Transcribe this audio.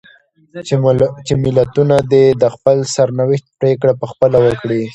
چې ملتونه دې د خپل سرنوشت پرېکړه په خپله وکړي.